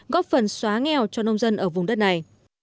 góp phần xóa nghèo cho nông dân ở vùng đất này